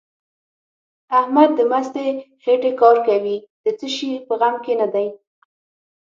احمد د مستې خېټې کار کوي؛ د څه شي په غم کې نه دی.